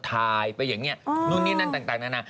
ถ่ายไปอย่างนี้นู่นนี่นั่นต่างนานา